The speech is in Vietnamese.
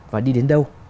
và đi đến đâu